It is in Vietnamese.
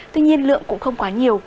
tuy nhiên lượng cũng không quá nhiều